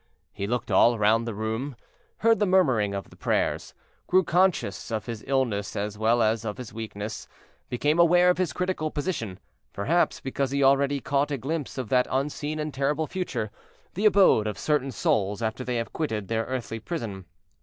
He looked all round the room, heard the murmuring of the prayers, grew conscious of his illness as well as of his weakness, became aware of his critical position, perhaps because he already caught a glimpse of that unseen and terrible future, the abode of certain souls after they have quitted their earthly prison.